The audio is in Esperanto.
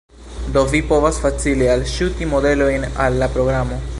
Do vi povas facile alŝuti modelojn al la programo